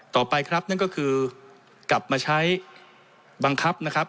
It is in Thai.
ต่อไปครับนั่นก็คือกลับมาใช้บังคับนะครับ